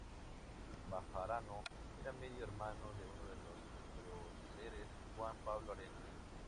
Bejarano era medio hermano de uno de los próceres, Juan Pablo Arenas.